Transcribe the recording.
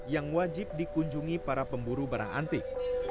yang wajib dikunjungi para pemburu barang antik